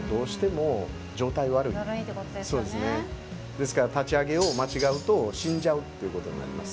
ですから立ち上げを間違うと死んじゃうっていうことになります。